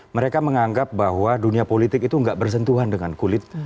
mereka menganggap bahwa dunia politik itu gak bersentuhan dengan kulit